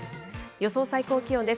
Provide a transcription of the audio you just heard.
予想最高気温です。